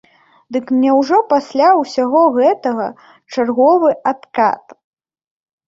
Дык няўжо пасля ўсяго гэтага чарговы адкат?